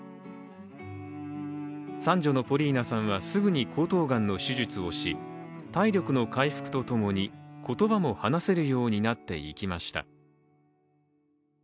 三女のポリーナさんはすぐに喉頭がんの手術をし体力の回復とともに言葉も話せるようになっていきました。